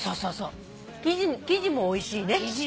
生地おいしいね。